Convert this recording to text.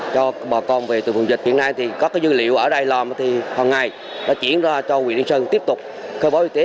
cho bà con về từ vùng dịch hiện nay thì có cái dư liệu ở đây làm thì hôm nay nó chuyển ra cho quỳ lý sơn tiếp tục khai báo y tế